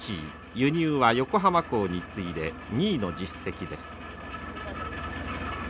輸入は横浜港に次いで２位の実績です。